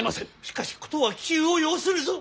しかし事は急を要するぞ。